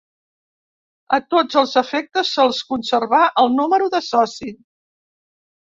A tots els efectes se'ls conservà el número de soci.